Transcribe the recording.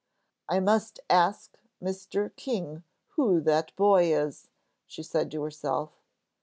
"I must ask Mr. King who that boy is," she said to herself.